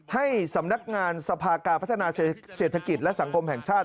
ให้สำนักงานสภาการพัฒนาเศรษฐกิจและสังคมแห่งชาติ